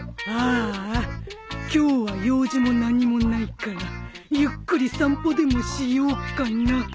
ああ今日は用事も何もないからゆっくり散歩でもしようかな。